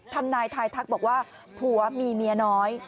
ทำนายทายทักบอกว่าผัวมีเมียน้อย